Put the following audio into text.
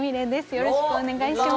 よろしくお願いします。